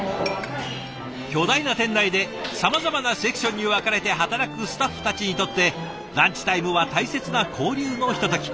巨大な店内でさまざまなセクションに分かれて働くスタッフたちにとってランチタイムは大切な交流のひととき。